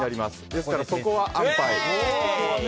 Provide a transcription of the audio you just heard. ですから、そこは安牌。